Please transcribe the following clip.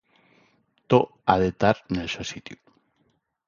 Too ha tar nel so sitiu.